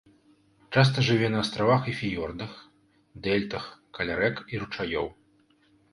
Часта жыве на астравах і фіёрдах, дэльтах, каля рэк і ручаёў.